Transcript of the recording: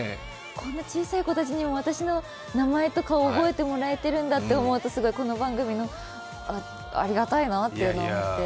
こんな小さい子たちにも私の名前と顔を覚えてもらえてるんだって思うとすごいこの番組のありがたいなと思って。